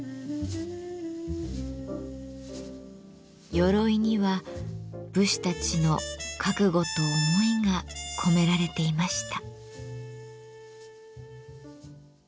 鎧には武士たちの覚悟と思いが込められていました。